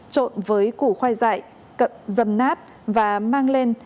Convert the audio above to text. trộn với củ khoai dại cận dầm nát và mang lên